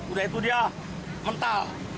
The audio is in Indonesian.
udah itu dia mental